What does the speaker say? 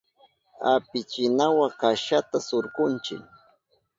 Apichinawa kashata surkunchi.